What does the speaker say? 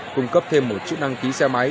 cung cấp thêm một chữ năng ký xe máy